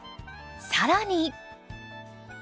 更に。